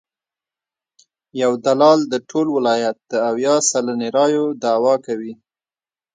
یو دلال د ټول ولایت د اویا سلنې رایو دعوی کوي.